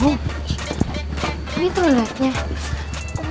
ini tuh liatnya